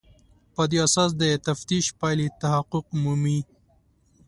په دې اساس د تفتیش پایلې تحقق مومي.